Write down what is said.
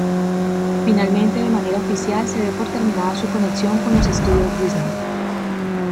Finalmente, de manera oficial se dio por terminada su conexión con los estudios Disney.